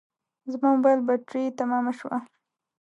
زما موبایل بټري تمامه شوه